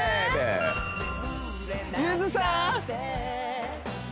ゆずさーん！